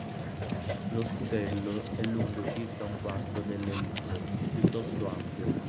Lo scutello è lungo circa un quarto delle elitre, piuttosto ampio.